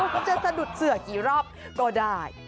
คุณจะสะดุดเสือกี่รอบก็ได้